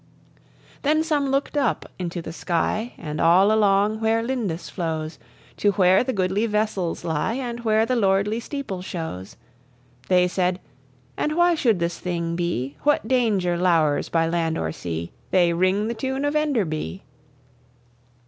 Then some look'd uppe into the sky, And all along where Lindis flows To where the goodly vessels lie, And where the lordly steeple shows. They sayde, "And why should this thing be? What danger lowers by land or sea? They ring the tune of Enderby!